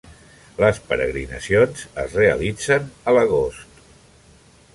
Les peregrinacions es realitzen a l'agost.